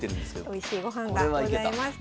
おいしい御飯がございます。